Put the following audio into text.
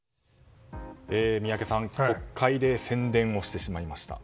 宮家さん国会で宣伝をしてしまいました。